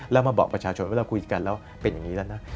แล้วมาบอกประชาชนว่าเราคุยกันแล้วเป็นอย่างนี้แล้วนะ